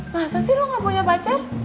masa sih lo gak punya pacar